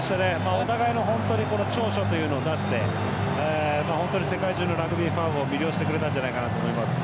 お互いの長所というのを出して本当に世界中のラグビーファンを魅了してくれたんじゃないかと思います。